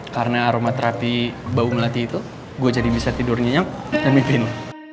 karena aroma terapi bau melati itu gue jadi bisa tidur nyenyak dan mimpin lo